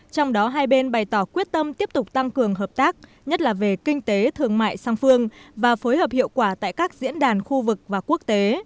trong đó hai bên bày tỏ quyết tâm tiếp tục tăng cường hợp tác nhất là về kinh tế thương mại song phương và phối hợp hiệu quả tại các diễn đàn khu vực và quốc tế